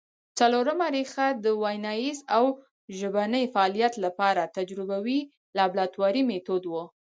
څلورمه ریښه د ویناييز او ژبني فعالیت له پاره تجربوي لابراتواري مېتود وو